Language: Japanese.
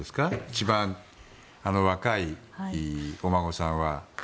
一番若いお孫さんは。